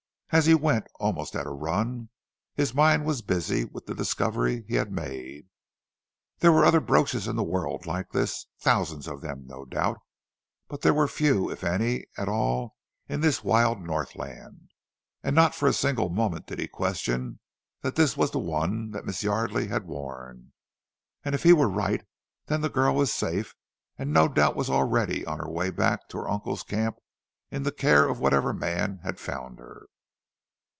As he went, almost at a run, his mind was busy with the discovery he had made. There were other brooches in the world like this, thousands of them no doubt, but there were few if any at all in this wild Northland, and not for a single moment did he question that this was the one that Miss Yardely had worn. And if he were right, then the girl was safe, and no doubt was already on her way back to her uncle's camp in the care of whatever man had found her.